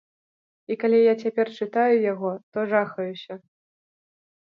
І калі я цяпер чытаю яго, то жахаюся.